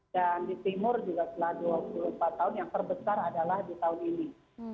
dan di timur juga setelah dua puluh empat tahun yang terbesar adalah di tahun ini